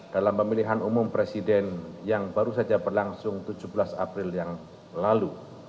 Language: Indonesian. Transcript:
dalam pemilihan umum presiden yang baru saja berlangsung tujuh belas april yang lalu